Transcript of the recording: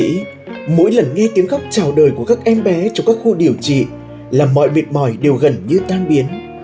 tại vì mỗi lần nghe tiếng khóc chào đời của các em bé trong các khu điều trị là mọi biệt mỏi đều gần như tan biến